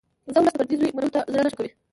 زموږ ولس د پردي زوی منلو ته زړه نه ښه کوي